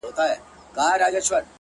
• چي عطار هر څه شکري ورکولې,